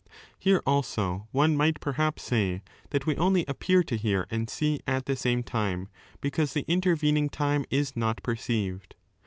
Here, also, one might perhaps say that we only appear to hear and see at the same time, because the intervening time is not perceived.